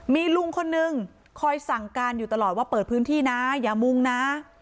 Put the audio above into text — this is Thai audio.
มีลุงคนนึงคอยสั่งการอยู่ตลอดว่าเปิดพื้นที่นะอย่ามุ่งนะ